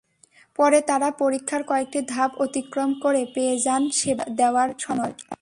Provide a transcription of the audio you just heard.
পরে তারা পরীক্ষার কয়েকটি ধাপ অতিক্রম করে পেয়ে যান সেবা দেওয়ার সনদ।